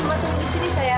mama tunggu di sini sayang